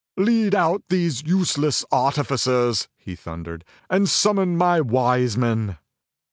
"Lead out these useless artificers," he thundered, "and summon my wise men."